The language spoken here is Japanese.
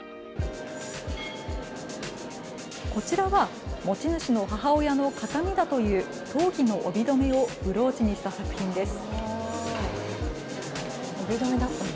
こちらは持ち主の母親の形見だという陶器の帯留めをブローチにした作品です。